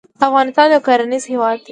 افغانستان يو کرنيز هېواد دی.